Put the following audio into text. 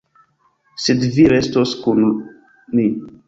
Sed vi restos kun ni.